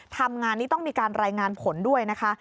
ทำงานนี้ต้องมีการรายงานผลด้วยนะคะ